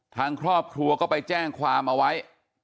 ทางครอบครัวก็ไปแจ้งความเอาไว้